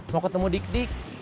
mau ketemu dik dik